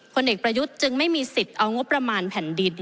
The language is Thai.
ผลเอกประยุทธ์จึงไม่มีสิทธิ์เอางบประมาณแผ่นดิน